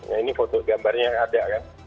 nah ini foto gambarnya yang ada kan